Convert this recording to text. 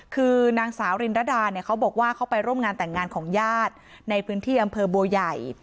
คือนางสาวรินรดาเนี่ยเขาบอกว่าเขาไปร่วมงานแต่งงานของญาติในพื้นที่อำเภอบัวใหญ่